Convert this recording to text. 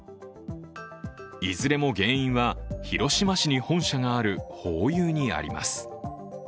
いずれも原因は、広島市に本社があるホーユーにあります。